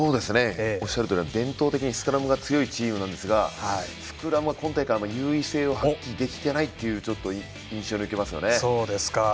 おっしゃるとおり伝統的にスクラムが強いチームなんですがスクラムは今大会優位性を発揮できていないというちょっと、印象を受けますね。